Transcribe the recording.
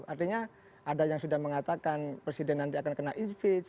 artinya ada yang sudah mengatakan presiden nanti akan kena inspeach